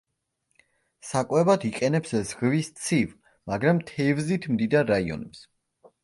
საკვებად იყენებს ზღვის ცივ, მაგრამ თევზით მდიდარ რაიონებს.